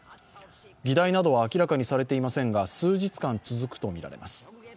議題などは明らかにされていませんが、数日間続くとみられます。